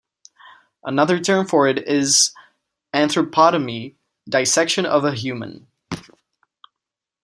Another term for it is anthropotomy "dissection of a human".